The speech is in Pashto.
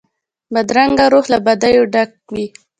بدرنګه روح له بدیو ډک وي